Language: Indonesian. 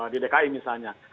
di dki misalnya